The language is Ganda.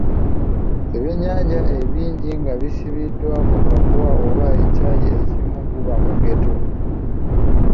Ebyennyanja ebingi nga bisibiddwa ku kaguwa oba ekyayi ekimu guba mugeto